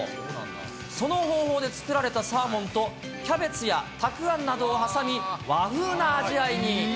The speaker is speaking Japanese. その方法で作られたサーモンと、キャベツやたくあんなどを挟み、和風な味わいに。